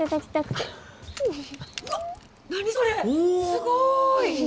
すごい！